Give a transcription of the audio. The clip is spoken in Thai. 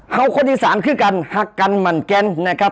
เขาคนอีสานคือกันหักกันหมั่นแกนนะครับ